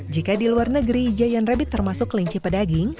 jika di luar negeri giant rabbit termasuk kelinci pedaging